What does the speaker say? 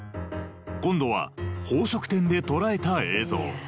今度は宝飾店で捉えた映像。